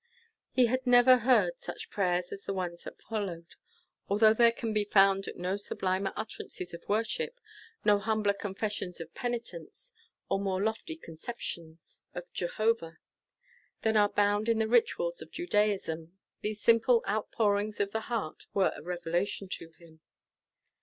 He had never heard such prayers as the ones that followed. Although there can be found no sublimer utterances of worship, no humbler confessions of penitence or more lofty conceptions of Jehovah, than are bound in the rituals of Judaism, these simple outpourings of the heart were a revelation to him.